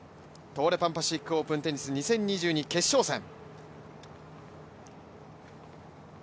東レパンパシフィックオープンテニス２０２２決勝戦。